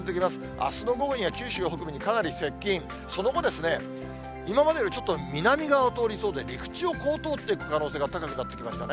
あすの午後には九州北部にかなり接近、その後、今までよりもちょっと南側を通りそうで、陸地を通っていく可能性が高くなってきましたね。